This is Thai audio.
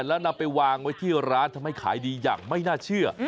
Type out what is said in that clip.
แล้วนำไปวางไว้ที่ร้านทำให้ขายดีอย่างไม่น่าเชื่อ